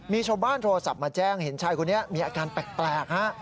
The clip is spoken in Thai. มีชาวบ้านโทรศัพท์มาแจ้งเห็นชายคนนี้มีอาการแปลกฮะ